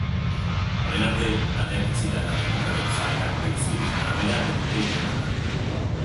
Orain arte, ateak itxita eta demokratek jarritako irizpideen arabera egin dute ikerketa.